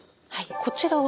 こちらは？